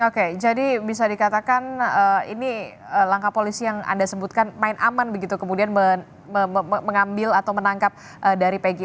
oke jadi bisa dikatakan ini langkah polisi yang anda sebutkan main aman begitu kemudian mengambil atau menangkap dari pg